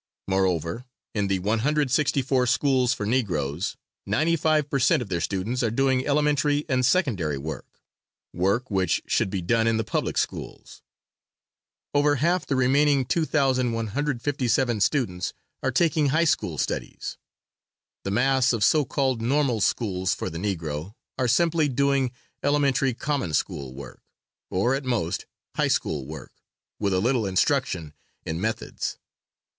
Moreover, in the 164 schools for Negroes, 95 per cent. of their students are doing elementary and secondary work, work which should be done in the public schools. Over half the remaining 2,157 students are taking high school studies. The mass of so called "normal" schools for the Negro, are simply doing elementary common school work, or, at most, high school work, with a little instruction in methods.